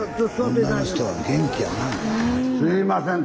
すいません